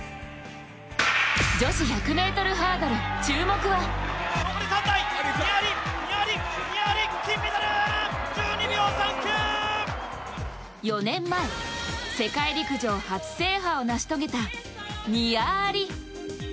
女子１００ｍハードル、注目は４年前、世界陸上初制覇を成し遂げた、ニア・アリ。